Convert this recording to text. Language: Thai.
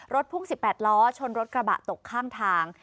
พ่วง๑๘ล้อชนรถกระบะตกข้างทาง